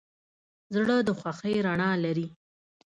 زړه د خوښۍ رڼا لري.